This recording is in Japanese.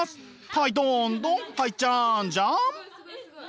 はいどんどんはいじゃんじゃん。